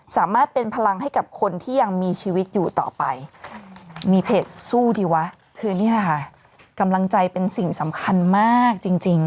คือนี่ค่ะกำลังใจเป็นสิ่งสำคัญมากจริง